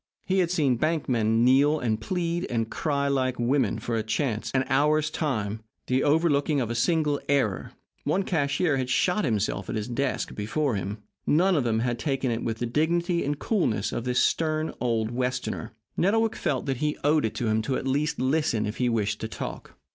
He had seen bank men kneel and plead and cry like women for a chance an hour's time the overlooking of a single error. One cashier had shot himself at his desk before him. None of them had taken it with the dignity and coolness of this stern old Westerner. Nettlewick felt that he owed it to him at least to listen if he wished to talk.